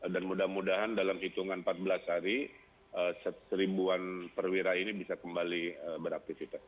dan mudah mudahan dalam hitungan empat belas hari seribuan perwira ini bisa kembali beraktifitas